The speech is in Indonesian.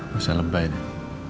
bisa lebay deh